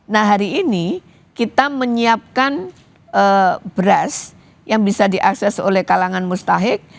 nah hari ini kita menyiapkan beras yang bisa diakses oleh kalangan mustahik